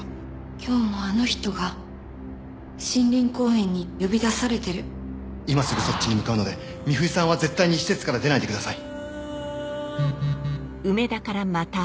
「今日もあの人が森林公園に呼び出されてる」「今すぐそっちに向かうので美冬さんは絶対に施設から出ないで下さい」